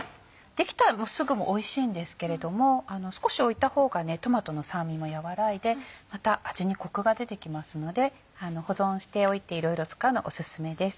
出来たらすぐもおいしいんですけれども少しおいた方がトマトの酸味も和らいでまた味にコクが出てきますので保存しておいていろいろ使うのオススメです。